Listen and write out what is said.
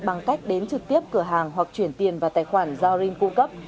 bằng cách đến trực tiếp cửa hàng hoặc chuyển tiền vào tài khoản do rin cung cấp